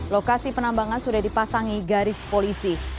lokasi penambangan sudah dipasangi garis polisi